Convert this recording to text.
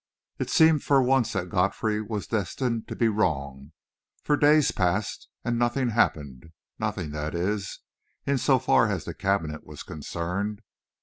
It seemed for once that Godfrey was destined to be wrong, for the days passed and nothing happened nothing, that is, in so far as the cabinet was concerned.